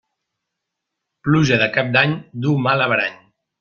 Pluja de Cap d'any duu mal averany.